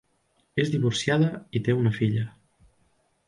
És divorciada i té una filla.